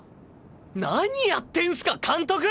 何やってんスか監督！